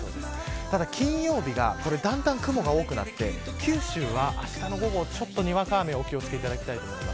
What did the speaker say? ただ金曜日がだんだん雲が多くなって九州はあしたの午後ちょっと、にわか雨にお気を付けください。